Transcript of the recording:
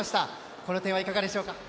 この点はいかがですか。